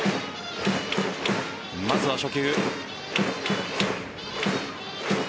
まずは初球。